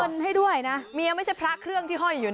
ให้ด้วยนะเมียไม่ใช่พระเครื่องที่ห้อยอยู่